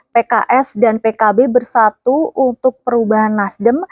pks dan pkb bersatu untuk perubahan nasdem